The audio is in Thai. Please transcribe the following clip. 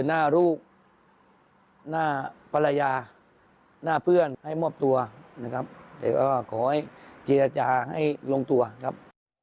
เจอหน้าลูกหน้าภรรยาหน้าเพื่อนให้มองบตัวครับ